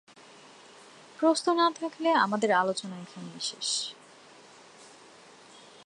প্রশ্ন না থাকলে আমাদের আলোচনা এখানেই শেষ।